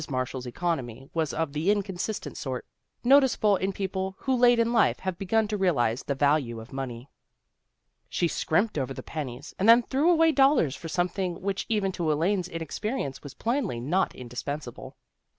Marshall's economy was of the inconsistent sort, noticeable in people who late in life have begun to realize the value of money. 271 272 THE GIRLS OF FRIENDLY TERRACE She scrimped over the pennies, and then threw away dollars for something which even to Elaine's inexperience was plainly not indispens able.